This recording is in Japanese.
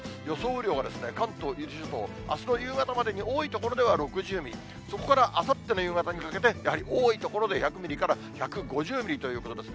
雨量は、関東、伊豆諸島、あすの夕方までに多い所では６０ミリ、そこからあさっての夕方にかけて、やはり多い所で１００ミリから１５０ミリということです。